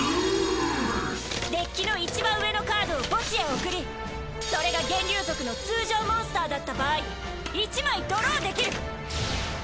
デッキのいちばん上のカードを墓地へ送りそれが幻竜族の通常モンスターだった場合１枚ドローできる！